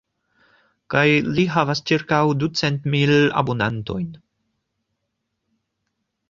Kaj li havas ĉirkaŭ ducent mil abonantojn.